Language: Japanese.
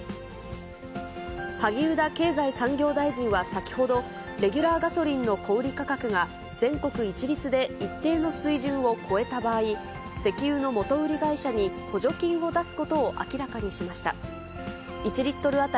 萩生田経済産業大臣は先ほど、レギュラーガソリンの小売り価格が、全国一律で一定の水準を超えた場合、石油の元売り会社に補助金を出すことを明らかにしました。